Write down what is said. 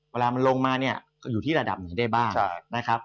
เวลามันลงมาเนี่ยอยู่ที่ระดับไหนได้บ้างนะครับ